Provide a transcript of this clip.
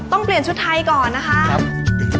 ต้องเปลี่ยนชุดไทยก่อนนะคะครับค่ะ